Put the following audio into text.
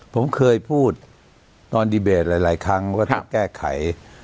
ผมเคยพูดตอนดิเบสหลายครั้งถูกจะแก้ไข